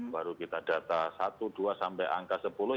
baru kita data satu dua sampai angka sepuluh